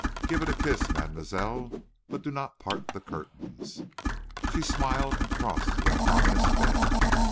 Give it a kiss, mademoiselle, but do not part the curtains." She smiled and crossed to that ominous bed.